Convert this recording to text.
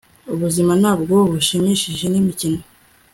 ubuzima ntabwo bushimishije nimikino